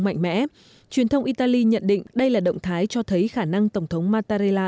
mạnh mẽ truyền thông italy nhận định đây là động thái cho thấy khả năng tổng thống mattarella